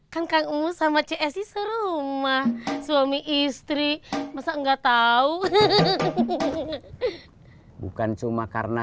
kan kang uu sama csi serumah suami istri masa enggak tahu bukan cuma karena